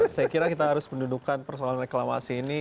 saya kira kita harus mendudukan persoalan reklamasi ini